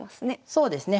そうですね